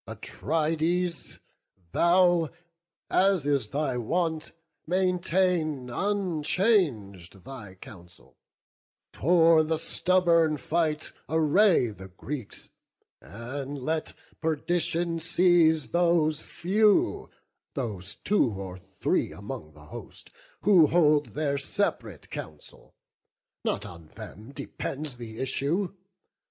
Atrides, thou, as is thy wont, maintain Unchang'd thy counsel; for the stubborn fight Array the Greeks; and let perdition seize Those few, those two or three among the host, Who hold their separate counsel—(not on them Depends the issue!)